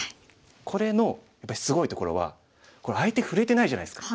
これのやっぱりすごいところはこれ相手触れてないじゃないですか。